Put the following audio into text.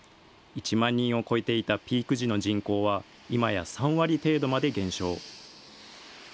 １万人を超えていたピーク時の人口は、今や３割程度まで減少。